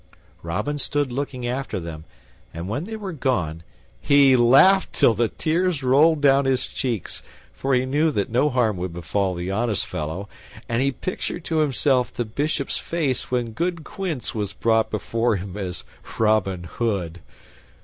Robin stood looking after them, and when they were gone he laughed till the tears rolled down his cheeks; for he knew that no harm would befall the honest fellow, and he pictured to himself the Bishop's face when good Quince was brought before him as Robin Hood.